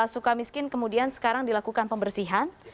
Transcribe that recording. suka miskin kemudian sekarang dilakukan pembersihan